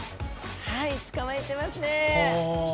はい捕まえてますね。